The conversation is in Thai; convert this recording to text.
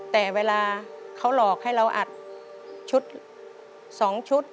แต่เวลาเขาหลอกให้เราอัดชุด๒ชุด